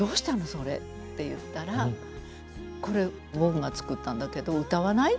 それって言ったら「これ僕が作ったんだけど歌わない？」